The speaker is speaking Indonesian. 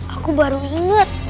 aku baru ingat